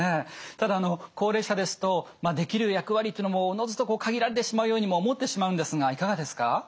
ただ高齢者ですとできる役割っていうのもおのずと限られてしまうようにも思ってしまうんですがいかがですか？